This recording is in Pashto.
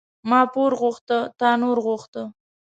ما پور غوښته تا نور غوښته.